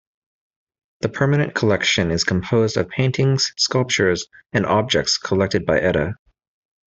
The permanent collection is composed of paintings, sculptures and objects collected by Ede.